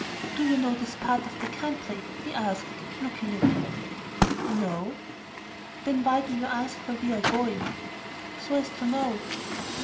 "Do you know this part of the country?" he asked, looking at me. "No." "Then why do you ask where we are going?" "So as to know."